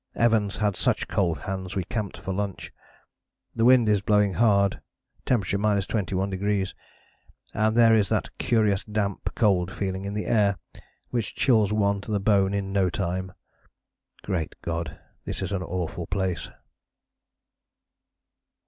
Evans had such cold hands we camped for lunch ... the wind is blowing hard, T. 21°, and there is that curious damp, cold feeling in the air which chills one to the bone in no time.... Great God! this is an awful place...."